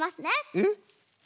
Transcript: えっ？